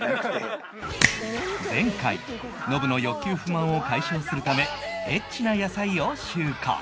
前回ノブの欲求不満を解消するためエッチな野菜を収穫